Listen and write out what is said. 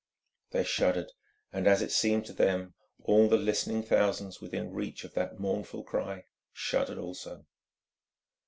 They shuddered, and as it seemed to them, all the listening thousands within reach of that mournful cry shuddered also.